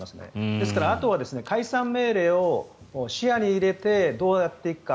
ですから、あとは解散命令を視野に入れてどうやっていくか。